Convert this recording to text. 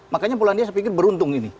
makanya polandia beruntung ini